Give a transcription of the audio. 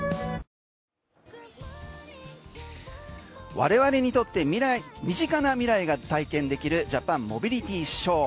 我々にとって身近な未来が体験できるジャパンモビリティショー。